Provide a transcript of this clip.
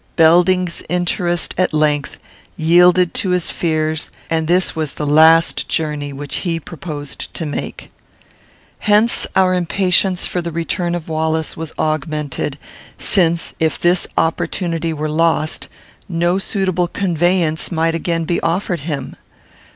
Belding's interest at length yielded to his fears, and this was the last journey which he proposed to make. Hence our impatience for the return of Wallace was augmented; since, if this opportunity were lost, no suitable conveyance might again be offered him.